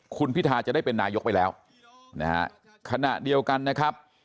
คุณพิทาจะได้เป็นนายกไปแล้วนะฮะขณะเดียวกันนะครับ